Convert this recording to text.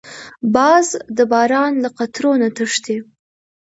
باز د باران له قطرو نه تښتي